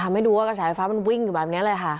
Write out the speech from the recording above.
ทำให้ดูกระแสไฟฟ้ามันวิ่งอยู่บรรมนี้ค่ะ